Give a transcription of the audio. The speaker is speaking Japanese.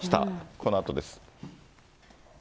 このあとです。